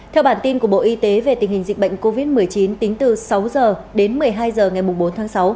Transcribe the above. theo bản tin của bộ y tế về tình hình dịch bệnh covid một mươi chín tính từ sáu h đến một mươi hai h ngày bốn tháng sáu